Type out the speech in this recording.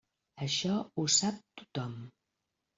Això ho sap tothom.